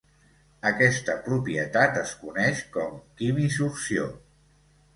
Aquesta propietat es coneix com quimisorció.